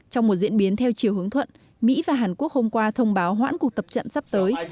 trong một diễn biến theo chiều hướng thuận mỹ và hàn quốc hôm qua thông báo hoãn cuộc tập trận sắp tới